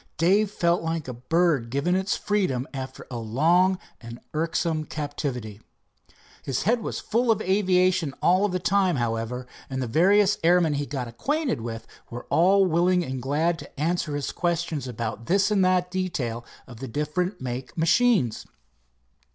Dave felt like a bird given its freedom after a long and irksome captivity. His head was full of aviation all of the time, however, and the various airmen he got acquainted with were all willing and glad to answer his questions about this and that detail of the different make machines.